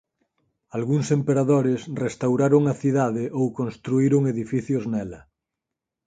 Algúns emperadores restauraron a cidade ou construíron edificios nela.